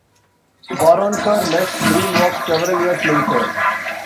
Waronker left DreamWorks several years later.